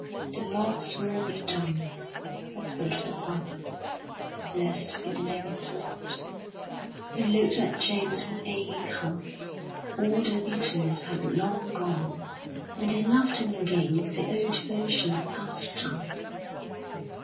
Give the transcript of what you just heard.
"The Lord's will be done," whispered the father. "Blessed be the name of the Lord!" They looked at James with aching hearts. All their bitterness had long gone, and they loved him again with the old devotion of past time.